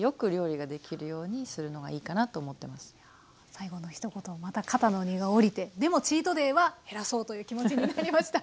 最後のひと言また肩の荷が下りてでもチートデイは減らそうという気持ちになりました。